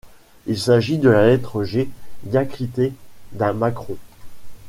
Il s’agit de la lettre G diacritée d’un macron.